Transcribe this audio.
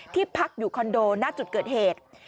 พักอยู่คอนโดนะจุดเกิดเหตุ